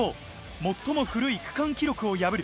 最も古い区間記録を破る。